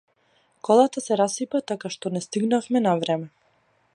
Колата се расипа така што не стигнавме на време.